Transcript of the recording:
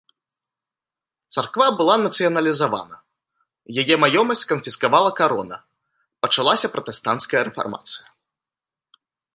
Царква была нацыяналізавана, яе маёмасць канфіскавала карона, пачалася пратэстанцкая рэфармацыя.